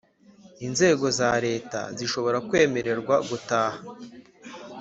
inzego za leta zishobora kwemererwa gutaha